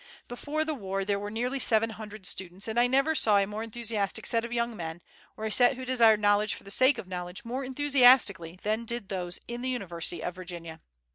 Before the war there were nearly seven hundred students, and I never saw a more enthusiastic set of young men, or a set who desired knowledge for the sake of knowledge more enthusiastically than did those in the University of Virginia.